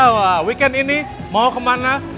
weekend ini mau kemana